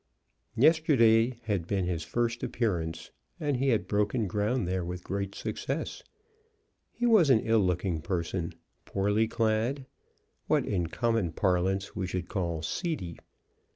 Yesterday had been his first appearance, and he had broken ground there with great success. He was an ill looking person, poorly clad, what, in common parlance, we should call seedy.